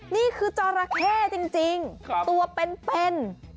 นี่คือจอราเข้จริงตัวเป็น